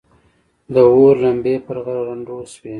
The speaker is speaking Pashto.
د اور لمبې پر غرغنډو شوې.